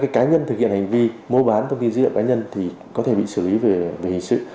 các cá nhân thực hiện hành vi mô bán thông tin dựa cá nhân thì có thể bị xử lý về hình sự